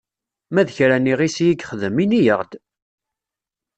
Ma d kra n yiɣisi i yexdem, ini-aɣ-d!